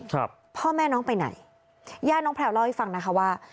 ครับพ่อแม่น้องไปไหนย่าน้องแพลวเล่าให้ฟังนะคะว่า